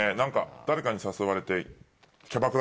誰かに誘われて。